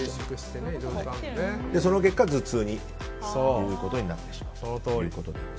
その結果、頭痛にということになってしまうと。